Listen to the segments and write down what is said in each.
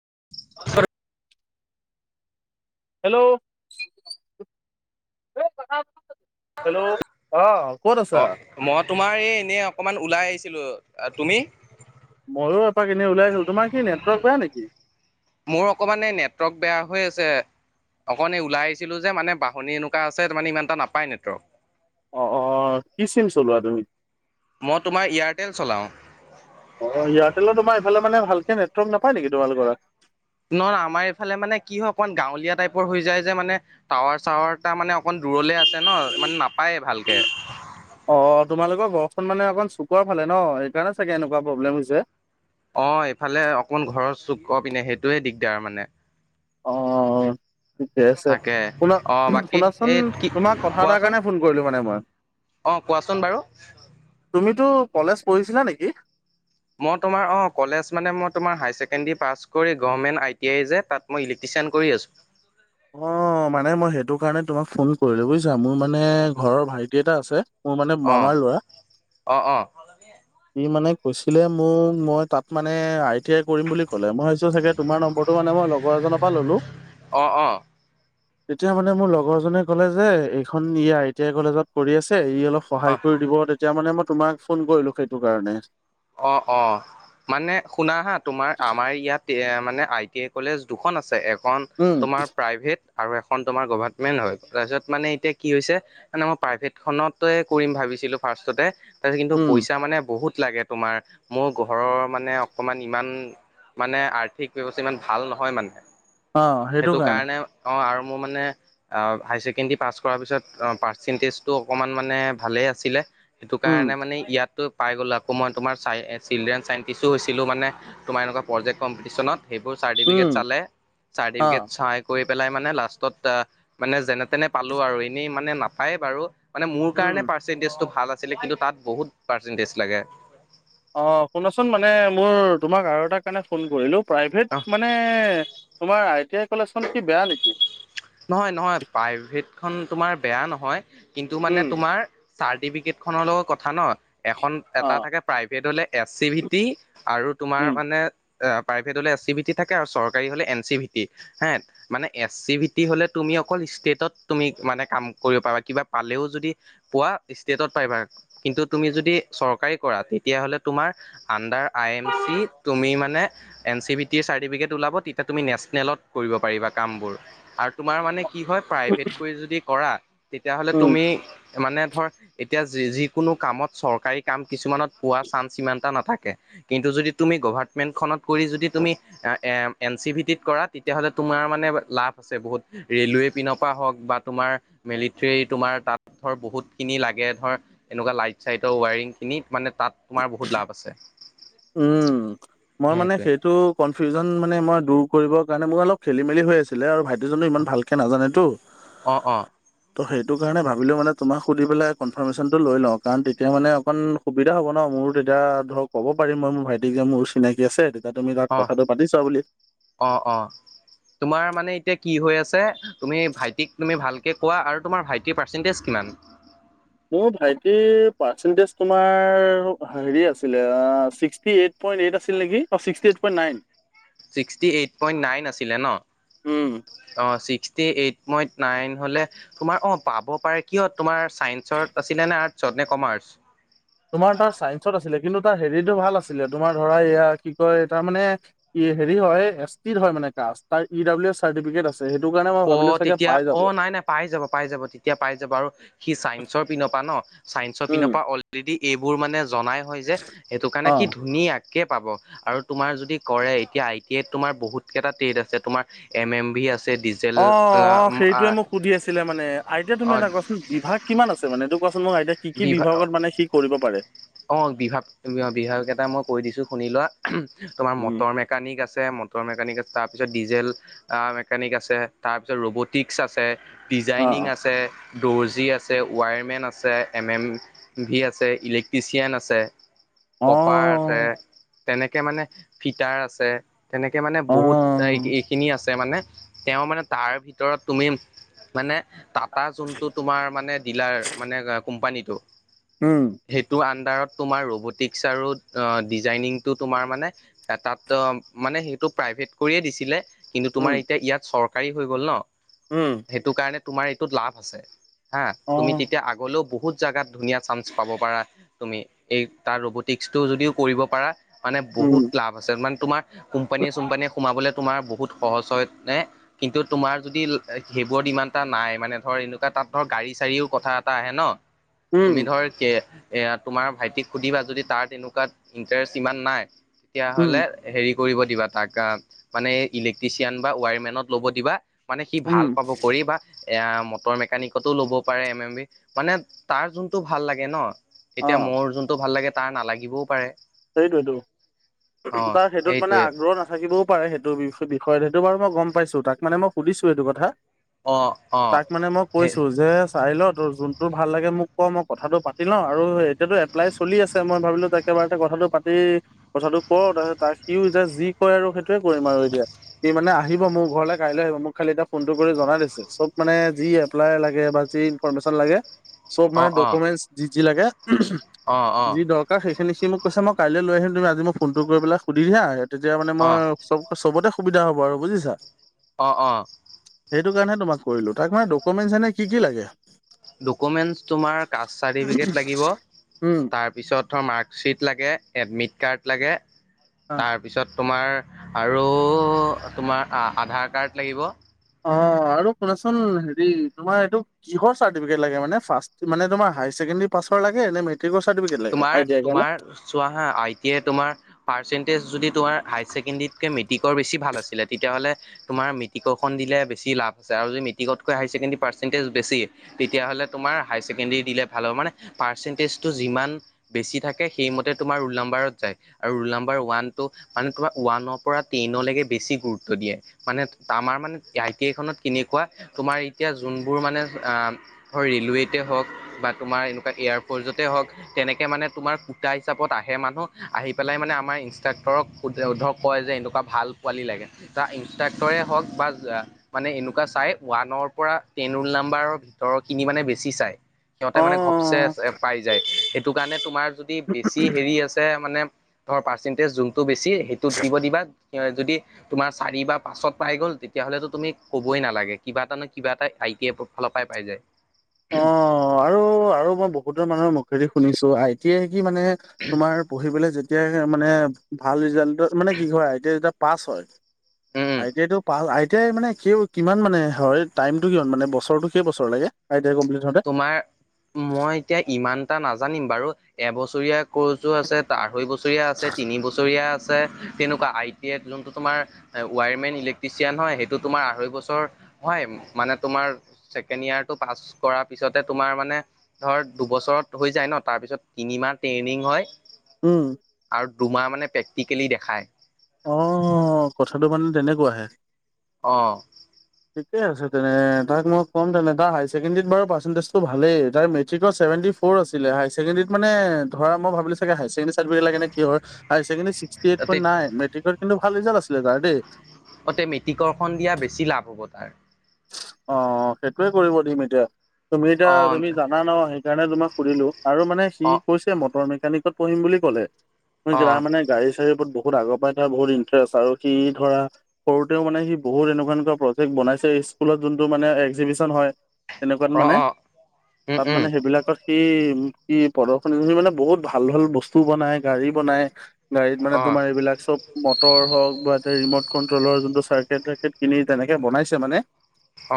[unintelligible] Hello hello অ ক'ত আছা অ মই তোমাৰ এই এনে অকমান ওলাই আহিছ ছিলো তুমি? ময়ো এপাক এনে ওলাই আছিলো তোমাৰ কি নেটৱৰ্ক বেয়া নেকি? মোৰ অকমান এই নেটৱৰ্ক বেয়া হৈ আছে। অকণ এই ওলাই আহিছিলো যে মানে বাহনি এনেকুৱা আছে মানে ইমান এটা নাপায় নেটৰ্ক। অ, অ কি চিম চলোৱা তুমি? মই তোমাৰ এয়াৰটেল চলাও। অ এয়াৰটেলৰ তোমাৰ এইফালে মানে ভালকে নে নাপায় নেকি তোমালোকৰ ৰা নহয় আমাৰ এইফালে মানে কি হয় অকমান গাঁৱলীয়া টাইপৰ হৈ যায় যে মানে, টাৱাৰ চাৱাৰ তামানে অকণ দূৰলৈ আছে ন, মানে নাপায়েই ভালকে। অ তোমালোকৰ ঘৰখন মানে অকণ চুকৰ ফালে ন, সেইকাৰণে চাগে এনেকুৱা প্ৰব্লেম হৈছে। অ এইফালে অকমান ঘৰৰ চুকৰ পিনে সেইটোয়ে দিগদাৰ মানে। অ ঠিকে আছে তাকে শুনা অ' বাকী শুনাচোন, এই কি তোমাক কথা এটাৰ কোৱাচোন কাৰণে ফোন কৰিলো মানে মই। অ কোৱাচোন বাৰু। তুমিতো কলেজ পঢ়িছিলা নেকি? মই তোমাৰ অ কলেজ মানে মই তোমাৰ হায়াৰ ছেকেণ্ডাৰী পাছ কৰি, গভাৰ্মেণ্ট আই -টি -আই যে তাত মই ইলেকটি চেণ্ড কৰি আছোঁ। অ মানে মই সেইটো কাৰণে তোমাক ফোন কৰিলো বুজিছা, মোৰ মানে ঘৰৰ ভাইটি এটা আছে। মোৰ মানে অ মামাৰ লৰা, অ অ সি মানে কৈছিলে মোক, মই তাত মানে আই- টি -আই কৰিম বুলি ক'লে, মই চাগে তোমাৰ নম্বৰটো মানে মই লগৰ এজনৰ পৰা ললো। অ তেতিয়া মানে মোৰ লগৰ জনে ক'লে যে, এইখন ই আই- টি- আই কলেজত কৰি আছে। সি অলপ অ অ সহায় কৰি দিব তেতিয়া মানে মই তোমাক ফোন কৰিলো সেইটো কাৰণে। অ অ মানে শুনা হা, তোমাৰ আমাৰ ইয়াত এ মানে আই -টি -আই কলেজ দুখন আছে, এখন উম তোমাৰ প্ৰাইভেট আৰু এখন তোমাৰ গভমেন্ট হয়, তাৰপিছত মানে এতিয়া কি হৈছে মানে মই প্ৰাইভেট খনতে কৰিম ভাবি ছিলো ফাষ্টতে তাতে কিন্তু উম পইচা মানে বহুত লাগে। তোমাৰ, মোৰ ঘৰৰ মানে অকণমান ইমান মানে আৰ্থিক ব্যৱস্থা ইমান ভাল নহয় মানে, সেইটো কাৰণে অ, আৰু মোৰ মানে অ হাই ছেকেণ্ডেৰী পাছ কৰাৰ পিছত অ পাৰ্চেন্টেজটো অকণমান মানে ভালেই আছিলে সেইটো উম কাৰণে মানে ইয়াতো পাই গলো আ ক মই তোমাৰ চাই -চিলড্ৰেন চাইণ্টিষ্ট হৈছিলো মানে তোমাৰ এনেকুৱা প্ৰজেক্ট কম্পিটিচনত। সেইবোৰ চাৰ্টিফিকেট উম চালে, অ চাৰ্টিফিকেট চাই কৰি পেলাই মানে লাষ্টত মানে যেনে -তেনে পালো আৰু এনেই মানে নাপায় বাৰু মানে মোৰ উম কাৰণে পাৰ্চেন্টেজটো ভাল আছিলে, কিন্তু তাত বহুত পাৰ্চেন্টেজ লাগে। অ শুনাচোন, মানে মোৰ তোমাক আৰু এটাৰ কাৰণে ফোন কৰিলো অ প্ৰাইভেট মানে, তোমাৰ আই টি আই কলেজখন কি বেয়া নেকি? নহয় -নহয়, প্ৰাইভেটখন তোমাৰ বেয়া নহয় কিন্তু মানে উম তোমাৰ চাৰ্টিফিকেটখনৰ লগত কথা ন? এখন অ এটা থাকে প্ৰাইভেট হলে এছ চি ভি টি আৰু তোমাৰ উম মানে প্ৰাইভেট হ'লে এছ চি ভি টি থাকে, আৰু চৰকাৰী হ'লে এন চি ভী টি হে, মানে এছ চি ভি টি হ'লে তুমি অকল ষ্টেটত তুমি মানে কাম কৰিব পাৰা কিবা পালেও যদি পোৱা ষ্টেটত পাৰিবা। কিন্তু তুমি যদি চৰকাৰী কৰা তেতিয়াহলে তোমাৰ আণ্ডাৰ আই এম চি, তুমি মা নে এন চি ভী টিয়ে চাৰ্টিফিকেট ওলাব, তেতিয়া তুমি নেচনেলত কৰিব পাৰিবা কামবোৰ আৰু তোমাৰ মানে কি হয় প্ৰাইভেট কৰি যদি কৰা, তেতিয়াহলে উম তুমি মানে ধৰ, এতিয়া যিকোনো কামত চৰকাৰী কাম কিছুমানত পোৱা চান্স ইমান এটা নাথাকে। কিন্তু যদি তুমি গভাৰটমেন্ট খনত কৰি যদি তুমি এন চি ভি টিত কৰা তেতিয়াহ'লে তোমাৰ মানে লাভ আছে বহুত, ৰেলৱে পিনৰ পৰা হওক বা তোমাৰ মিলিটৰী তোমাৰ তাত ধৰ, বহুত খিনি লাগে এই ধৰা, এনেকুৱা লাইট চাইটৰ ৱায়ৰিং কিনি মানে তাত তোমাৰ বহুত লাভ আছে। উম, মই মানে সেইটোৱে সেইটো কনফিউজন মানে মই দূৰ কৰিবৰ কাৰণে মোৰ অলপ খেলি মেলি হৈ আছিলে আৰু ভাইট জনে ইমান ভালকে নাজানেতো, অ', অ', ত' সেই সটো কাৰণে ভাবিলো মানে তোমাক সুধি পেলাই কনফাৰ্মেশ্যনটো লৈ লওঁ কাৰণ তেতিয়া মানে অকণ সুবিধা হ'ব ন মোৰো তে এতিয়া ধৰক ক'ব পাৰিম মই মোৰ ভাইটিক যে মোৰ চিনাকি আছে তেতিয়া তুমি তাত অ', কথাটো পাতিছা বুলি। অ', অ', তোমাৰ মানে এতিয়া কি হৈ আছ ছে তুমি ভাইটিক তুমি ভালকে কোৱা আৰু তোমাৰ ভাইটিৰ পাৰ্চেণ্টেজ কিমান? মোৰ ভাইটিৰ পাৰ্চেন্টেজ তোমাৰ হেৰি আছিলে আহ ছিক্সটী এইট। পইণ্ট এইট আছিল নেকি, অহ, sixty eight point nine. Sixty eight point nine আছিলে ন, উম। অ', ছিক্স টী এইট মই নাইন হ'লে তোমাৰ, অ', পাব পাৰে কিয় তোমাৰ ছায়ন্সত আছিলে নে আৰ্ট চত নে কমাৰ্চ? তোমাৰ তাৰ চাইন্সত আছিলে কিন্তু তাৰ হেৰিটো ভাল আছিলে তোমাৰ ধৰা এয়া কি কয় তাৰ মানে ই হেৰি হয়, এছ টিৰ হয় মানে কাষ্ট তাৰ ই ডাব্লিউ এছ চাৰ্টিফিকেট আছ অ', তেতিয়া, অ', নাই, নাই পাই যাব পাই যাব তেতিয়া পাই যাব আৰু সি চাইন্সৰ পিনৰপা ন? চাইন্সৰ পিনৰ উম। পৰা অলৰেডি এইবোৰ মানে জনায়ে হয় যে সেইটো কাৰণে সি অ', ধুনীয়া কে পাব, আৰু তোমাৰ যদি কৰে এতিয়া আই টি আইত তোমাৰ বহুত কেইটা ট্ৰেড আছে তোমাৰ এম এম ভ আছে অ', অ', ডিজেল সেইটোৱে মোক সুধি আছিলে মানে, আই টি আই তুমি অ' এটা কোৱাচোন বিভাগ কিমান আছে মানে এইটো কোৱা [unintelligible] কি কি বিভা বিভাগত মানে সি কৰিব পাৰে? অ', বিভাগ-বিভাগ কেইটা মই কৈ দিছো শুনি লোৱা। তোমাৰ উম। মটৰ মেকানিক আছে, মটৰ মেকানিক আছ তাৰপিছত ডিজেল আহ মেকানিক আছে তাৰপিছত ৰবটিকছ আছে। ডিজাইনিং অ', আছে। দ'ৰ্জী আছে ৱায়াৰমেন আছে এম এম ভি আছে ইলেক্ট্ৰিচিয়ান আছে। কপাৰ আছে অ', তেনেকে মানে ফিটাৰ আছে। তেনেকে মানে বহুত অ', এইখিনি আছে। মানে তেওঁ মানে তাৰ ভিতৰত তুমি মানে টাটা যোনটো তোমাৰ মানে ডিলাৰ মানে কোম্পানীটো। উম সেইটো আণ্ডাৰত তোমাৰ ৰ'বটিকছ আৰু ডিজাইনিংটো তোমাৰ মানে তাত মানে সেইটো প্ৰাইভেট কৰিয়ে দিছিলে। কিন্তু উম, তোমাৰ এতিয়া ইয়াত চৰকাৰী হৈ গ'ল উম। ন সেইটো কাৰণে তোমাৰ এইটোত লাভ আছে। হা তুমি অ', তেতিয়া আগলেও বহুত জাগাত ধুনীয়া চান্স পাব পাৰা। তুমি এই তাৰ ৰবটিকস টো যদিও কৰিব পাৰা মানে উম, বহুত লাভ আছে মানে তোমাৰ কোম্পানীয়ে চোম্পানীয়ে সোমাবলে তোমাৰ বহুত সহজ হয় নে কিন্তু তোমাৰ যদি সেইবোৰ ডিমাণ্ড এটা নাই মানে ধৰ এনেকুৱা তাত ধৰ গাড়ী চাৰীও কথা এটা আহে ন তুমি উম, ধৰ কে এয়া তোমাৰ ভাইটিক সুধিবা যদি তাৰ তেনেকুৱা ইণ্টাৰেষ্ট ইমান নাই উম, তেতিয়াহ'লে হেৰি কৰিব দিবা তাক অ মানে ইলেক্ট্ৰিচিয়ান বা ৱায়াৰমেনত ল'ব দিবা। মানে সি উম, ভাল পাব কৰি বা এয়া মটৰ মেকানিকতো ল'ব পাৰে এম এম বি মানে তাৰ যোনতটো ভাল লাগে ন এতিয়া অ', মোৰ যোনটো ভাল লাগে তাৰ নালাগিবও পাৰে। সেইটোৱেটো অ তাৰ সেইটোত মানে সেইটোৱে আগ্ৰহ নাথাকিবও পাৰে সেইটোৰ বিষয়ে বিষয়ত সেইটো বাৰু মই গম পাইছো তাক মানে মই সুধিছো এইটো কথা। অ অ তাক মানে মই সেই কৈছো যে চাইলত যোনটো ভাল লাগে মোক ক মই কথাটো পাতি লওঁ আৰু এতিয়াতো এপ্লাই চলি আছে মই ভাবিলো তাক এবাৰ কথাটো পাতি কথাটো ক তাৰপিছত তাক সিও এতিয়া যি কয় আৰু সেইটোয়ে কৰিম আৰু এতিয়া সি মানে আহিব মোৰ ঘৰলে কাইলৈ আহিব মোক খালি এতিয়া ফোনতটো কৰি জাই দিছে চব মানে যি এপ্লাই লাগে যি ইনফৰ্ম লাগে চব অ মানে অ ডকুমেন্টচ যি যি লাগে অ যি অ দৰকাৰ সেইখিনি সি মোক কৈছে মই কাইলৈ লৈ আহিম তুমি আজি মোক ফোনটো কৰি পেলাই সুধি দিয়া তেতিয়া মানে অ মই চবতে সুবিধা হ'ব আৰু বুজিছা? অঁ অঁ সেইটো কাৰণে তোমাক কৰিলো তাক মানে ডকুমেণ্টছ এনে কি কি লাগে? ডকুমেণ্টছ তোমাৰ কাষ্ট চাৰ্টিফিকেট লাগিব উম তাৰপিছত ধৰ মাৰ্কশ্বিট লাগে এডমিট কাৰ্ড লাগে তাৰপিছত তোমাৰ আৰু তোমাৰ আধাৰ কাৰ্ড লাগিব। অ আৰু শুনাচোন হেৰি তোমাৰ এইটো কিহৰ চাৰ্টিফিকেট লাগে মানে মানে তোমাৰ হাইৰ ছেকেণ্ডী পাছত লাগে নে মেত তোমাৰ তোমাৰ চোৱা হা আই টি তোমাৰ পাৰ্চেন্টেজ যদি তোমাৰ হাই ছেকেণ্ডেৰীতকে মেট্ৰিকৰ বেছি ভাল আছিলে তেতিয়াহ'লে তোমাৰ মেট্ৰিকৰখন দিলে বেছি লাভ আছে। আৰু যে মেটিকতৈ হাই ছেকেণ্ডাৰীৰ পাৰ্চেটেজ বেছি তেতিয়াহ'লে তোমাৰ হাই ছেকেণ্ডাৰীৰ দিলে ভাল হব, মানে পাৰ্চেণ্টেজটো যিমান বেছি থাকে সেইমতে তোমাৰ ৰুল নম্বাৰত যায় আৰু ৰুল নম্বাৰ ওৱানটো মানে তোমাৰ ওৱানৰ পৰা টেনলৈকে বেছি গুৰুত্ব দিয়ে, মানে আমাৰ মানে আই টি আই খনত কেনেকুৱা তোমাৰ এতিয়া যোনবোৰ মানে হয় ৰে'লৱেতে হওক বা তোমাৰ এনেকুৱা এয়াৰপ'ৰ্টছতে হওক তেনেকে মানে তোমাৰ কুটা হিচাপত আহে মানুহ আহি পেলাই মানে আমাৰ ইনষ্ট্ৰাক্টৰক ধৰক কয় যে এনেকুৱা ভাল পোৱালি লাগে, টা ইনষ্ট্ৰক্তৰে হওক বা মানে এনেকুৱা চাই ওৱানৰ পৰা এ ৰোল নাম্বাৰৰ ভিতৰৰ খিনি মানে বেছি চাই। সিহঁতে অ মানে ঘপচে পাই যায়, সেইটো কাৰণে তোমাৰ যদি বেছি হেৰি আছে মানে ধৰ পাৰ্চেন্টেজ যোনটো বেছি সেইটোত দিব দিবা, যদি তোমাৰ চাৰি বা পাচত পাই গ'ল তেতিয়াহ'লেতো তুমি ক'বই নালাগে কিবা এটা ন কিবা এটা আইটিৰ ফালৰ পৰাই পাই যায়। অ' আৰু-আৰু মই বহুতৰ মানুহৰ মুখেদি শুনিছোঁ আই টি আই কি মানে তোমাৰ পঢ়িবলৈ এতিয়াই মানে ভাল ৰিজাল্টত মানে কি হয় আই টি আই যেতিয়া পাছ হয় উম আই টি আইটো পাছ আই টি আই মানে কি কিমান মানে হয় টাইমটো কিমান মানে বছৰটো কেই বছৰ লাগে? আই টি আই কমপ্লিট হওঁতে তোমাৰ মই এতিয়া ইমান এটা নাজানিম বাৰু এবছৰীয়া কৰ্চো আছে, আঢ়ৈ বছৰীয়া আছে, তিনি বছৰীয়া আছে। আছে তেনেকুৱা আই টি এড যোনটো তোমাৰ ৱায়াৰমেন ইলেক্ট্ৰিচিয়ান হয়, সেইটো তোমাৰ আঢ়ৈ বছৰ মই মানে তোমাৰ ছেকেণ্ড ইয়াৰ টো পাছ কৰা পিছতে তোমাৰ মানে ধৰ দুবছৰত হৈ যায় ন, তাৰপিছত তিনিমাহ ট্ৰেইনিং হয়। উম' আৰু দুমাহ মানে প্ৰেক্টিকেলি দেখায়। অ'হ কথাটো মানে তেনেকুৱাহে। অ' ঠিকে আছে তেনে তাক মই ক'ম তেনে তাৰ হাই ছেকেণ্ডেৰীত বাৰু পাৰ্চেন্টেজ টো ভালেই, তাৰ মেট্ৰিকৰ ছেভেটি ফ'ৰ আছিলে, হাই ছেকেণ্ডেৰীত মানে ধৰা মই ভাবিলোঁ চাগে হাই ছেকেণ্ডেৰীত এড ভিয়েৰ লাগে নে কি হয়? হাই ছেকেণ্ডৰিত ছিক্স পিয়েৰদ টো‌ তাতে নাই, মেট্ৰিকত কিন্তু ভাল ৰিজাল্ট আছিলে তাৰ। অতে মেটিককৰ্ষণ দিয়া বেছি লাভ হ'ব তাৰ। অ' সেইটোৱে কৰিব দিম এতিয়া, তুমি এতিয়া অ তুমি জানা ন সি সেই কাৰণে তোমাক সুধিলোঁ আৰু মানে সি অ কৈছে মটৰ মেকানিকত পঢ়িম বুলি ক'লে। নহয় অ কিবা মানে গাড়ীচাৰীৰ ওপৰত বহ বহুত আগৰ পৰাাই তাৰ বহুত ইন্টাৰেষ্ট আৰু সি ধৰা সৰুতেও মানে সি বহুত এনেকুৱা- এনেকুৱা প্ৰজেক্ট বনাইছে স্কুলত যোনটো মানে একজিবিচন হয় তেনেকুৱাত অ মানে অ উম তাত উম মানে সেইবিলাকত সি, কি প্ৰদৰ্শনী কৰি মানে বহুত ভাল ভাল বস্তু বনাই গাড়ী বনাই, গাড়ীত মানে অ তোম এইবাক চব মটৰ হওক বা ৰিমট কন্ট্ৰলৰ যোনটো চাৰ্কেট তাৰকেত কিনি তেনে, বনাইছে মানে,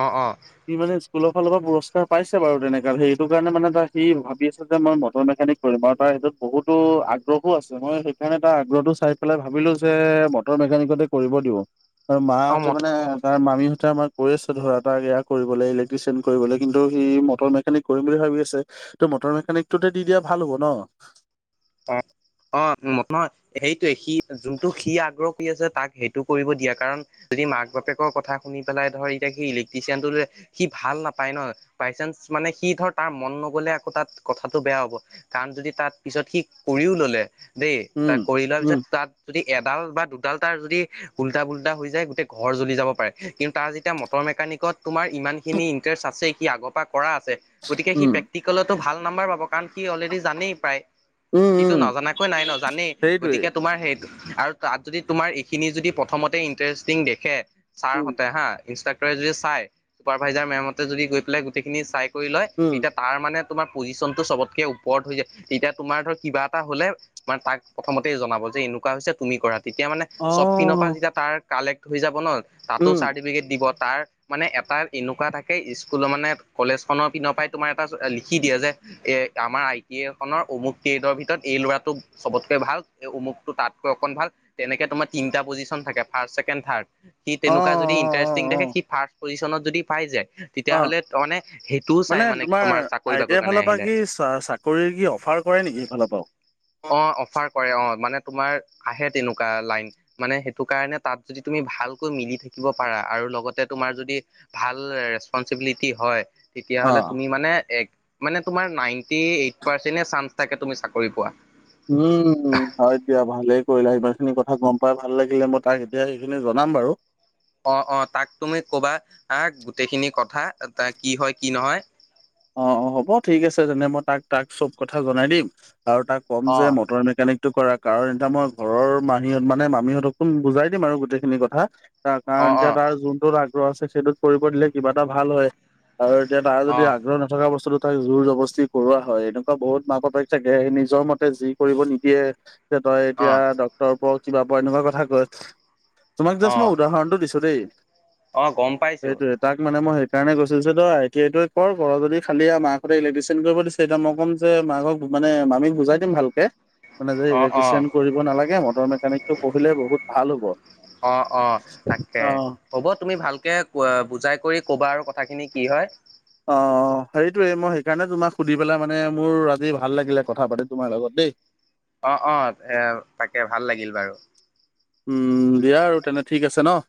অঁ অঁ সি মানে স্কুলৰ ফালৰ পৰা পুৰসকাৰ পাইছে বাৰু তেনেকুৱে সেইটো কাৰণে মানে ত সি ভাবি আছে যে মই মটৰ মেকোনিক কৰিম আৰু তাৰ সটোত বহুতো আগ্ৰহো আছে মই সেইকাৰণে তাৰ আগ্ৰহতটো চাই পেলাই ভাবিলো যে মটৰ মেকানিকেল, তে কৰিব দিব এ অ মাহঁতে মই মানে তাৰ মামীহতে আমাৰ কৈ আছ ধৰা তাক এয়া কৰিবলে ইলেক্ট্ৰিচিয়ান কৰিবলে কিন্তু সি মটৰ মেকানিক কৰিম বুলি ভাবি আছে ত' মটৰ মেকানিকটোতে দি দিয়া ভাল হ'ব ন'? অ', অ', নহয় সেইটোয়ে সি যোনটো সি আগ্ৰহ হৈ আছে তাক সেইটো কৰিব দিয়া কাৰণ যদি মাক- বাপেকৰ কথা শুনি পেলাই ধৰ এতিয়া সি ইলেক্ট্ৰিচিয়ান টো ল'লে সি ভাল নাপায় ন' বাই চান্স মানে সি ধৰ তাৰ মন নগলে আকৌ তাত কথাটো বেয়া হ'ব কাৰণ যদি তাত পিছত সি কৰিও ল'লে দেই [unintelligible] উম কৰি লোৱাৰ উম পিছত তাত যদি এডাল বা দুডাল তাৰ যদি উল্টা পোল্টা হৈ যায় গোটেই ঘৰ জ্বলি যাব পাৰে কিন্তু তাৰ যেতিয়া মটৰ মেকান, কত তোমাৰ ইমানখিনি ইণ্টাৰেষ্ট আছে সি আগৰ পৰা, কৰা আছে গতিকে সি উম প্ৰেক্টিকেলতো ভাল নাম্বাৰ পাব কাৰণ সি অলৰেডি জানেই প্ৰায়। উম সিটো উম নজনাকৈ নাই ন জানেই সেইটোৱে গতিক তোমাৰে সেই, আৰু তাত যদি তোমাৰ এইখিনি যদি প্ৰথমতে ইন্টাৰেষ্টিং দেখে, উম ছাৰহতে হা ইনষ্ট্ৰাক্টৰে যদি চাই চুপাৰভাইজাৰ মেমতে যদি গৈ পেলাই গোটেইখিনি চাই, কৈ লয় উম তেতিয়া তাৰ মানে তোমাৰ পজিচন টো চবতকে ওপৰত হৈ যায় তেতিয়া তোমাৰ ধৰ কিবা এটা হলে মানে তাক প্ৰথমতে জনাব যে এনেকুৱা হৈছে তুমি কৰা তেতিয়া মানে অ চবপিনৰ পৰা যেতিয়া তাৰ কালেক্ট হৈ যাব ন' তাতো উম চাৰ্টিফিকেট দিব তাৰ মানে এটাৰ এনেকুৱা থাকে স্কুলৰ মানে কলেজখনৰ পিনৰ পৰাই তোমাৰ এটা লিখি দিয়ে যে এ আমাৰ আই টি এ খনৰ অমুক ফিল্ডৰ ভিতৰত এই ল'ৰাটো চবতকৈ ভাল এই অমুক টো তাতকৈ অকন ভাল তেনেকে তোমাক তিনিটা পজিচন থাকে ফাৰ্ষ্ট, ছেকেণ্ড, থাৰ্ড সি অ অ তেনেকুৱা যদি ইণ্টাৰেষ্টিং অ দে সি অ ফাৰ্ষ্ট পজিচনত যদি পাই যায় অ তেতিয়াহলে ত' মানে সেইটোও চাই মানে তোমাৰ আই চাকৰি টি আই বাকৰি কাৰণে ফালৰ পৰা আহিলে। কি চাকৰি কি অফাৰ কৰে নেকি এইফালৰ পৰাও? অ, অফাৰ কৰে অ, মানে তোমাৰ আহে তেনেকুৱা লাইন মানে সেইটো কাৰণে তাত যদি তুমি ভালকৈ মিলি থাকিব পাৰা আৰু লগতে তোমাৰ যদি ভাল ৰেচপঞ্চিবিলিটি হয় অ তেতিয়লে তুমি মানে এক মানে তোমাৰ নাইনটি এইট পাৰ্চেনে চাঞ্চ তাকে তুমি চাকৰি পোৱা। উম, হয় দিয়া ভালে কৰিলা ইমান খিনি কথা গম পাই ভাল লাগিলে মই তাক এতিয়া সেইখিনি জনা নাম বাৰু। অ', অ', তাক তুমি ক'বা আহ, গোটেইখিনি কথা এ তে কি হয় কি নহয়। অ', অ', হ'ব ঠিক আছে তেনে মই তাক-তাক চব কথা জনাই দিম। আৰু তাক ক'ম অ যে মটৰ এনেকে-এনেক টো কৰা কাৰণ এতিয়া মই ঘৰৰ মানিহত মানে মামিহঁতকো বুজাই দিম আৰু গোটেইখিনি কথা। তা অ কাৰণ অ এতিয়া তাৰ যোনটোত আগ্ৰহ আছে সেইটোত কৰিব দিলে কিবা এটা ভাল হয়। আৰু এতিয়া তাৰ অ যদি আ থকা বস্তুটো তাক জোৰ জবৰ্তি কৰোৱা হয় এনেকুৱা বহুত মাক - বাপেক থাকে সি নিজৰ মতে যি কৰিব নিদিয়ে যে তই অ এতিয়া ডক্তৰৰ ওপৰ কিবা পৰা এনেকুৱা কথা কয়। তোমাক অ জাষ্ট মই উদাহৰণটো দিছোঁ দেই, অ গম পাইছো সেইটোৱে তাক মানে মই সেইকাৰণে কৈছোঁ যে, তই আ টি আই টোৱে কৰ। কৰ যদি খালি আৰু মাকহঁতে ইলেক্ট্ৰিচিয়ান কৰিব দিছে, এতিয়া মই কম যে, মাকক মানে মামীক বুজাই দিম ভালকে। মানে যে, অ অ ইলেক্ট্ৰিচিয়ান কৰিব নালাগে মটৰ মেকানিকটো পঢ়িলে বহুত ভাল হ'ব। অ', অ', তাকে, হ'ব তুমি ভালকে [unintelligible] বুজাই কৰি ক'বা আৰু কথাখিনি কি হয়। অ', অ', সেইটোয়ে মই সেইকাৰণে তোমাক সুধি পেলাই মানে মোৰ আজি ভাল লাগিলে কথা পাতি তোমাৰ লগত দেই। অ', অ', এ তাকে ভাল লাগিল বাৰু। উম, দিয়া আৰু তেনে ঠিক আছে ন'।